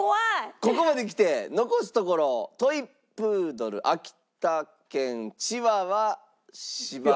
ここまできて残すところトイ・プードル秋田犬チワワ柴犬。